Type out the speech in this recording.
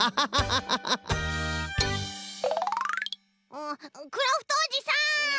うクラフトおじさん！